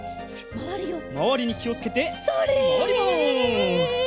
まわりにきをつけてまわります。